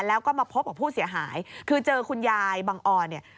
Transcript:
แล้วก็มาพบกับผู้เสียหายคือเจอคุณยายบังออนเนี่ย